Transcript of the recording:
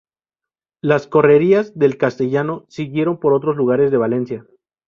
Las correrías del castellano siguieron por otros lugares de Valencia.